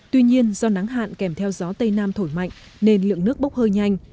tuy nhiên do nắng hạn kèm theo gió tây nam thổi mạnh nên lượng nước bốc hơi nhanh